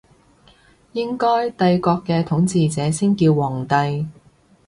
應該帝國嘅統治者先叫皇帝